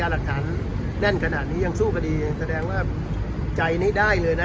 หลักฐานแน่นขนาดนี้ยังสู้คดีแสดงว่าใจนี้ได้เลยนะ